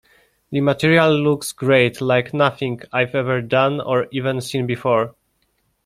The material looks great, like nothing I've ever done or even seen before.